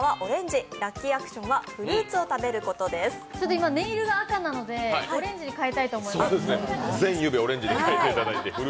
今、ネイルが赤なのでオレンジに変えたいと思います。